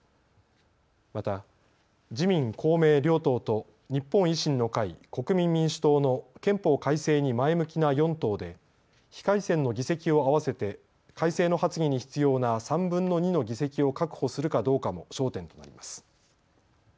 また、自民公明両党と日本維新の会、国民民主党の憲法改正に前向きな４党で非改選の議席を合わせて改正の発議に必要な３分の２の議席を確保するかどうかも焦点となります。